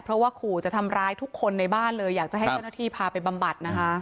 เพราะว่าขู่จะทำร้ายทุกคนในบ้านเลยอยากจะให้เจ้าหน้าที่พาไปบำบัดนะคะ